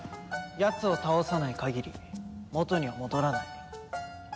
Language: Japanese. やつを倒さない限り元には戻らない。